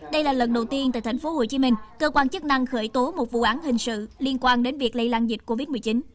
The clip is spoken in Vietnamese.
đây là lần đầu tiên tại tp hcm cơ quan chức năng khởi tố một vụ án hình sự liên quan đến việc lây lan dịch covid một mươi chín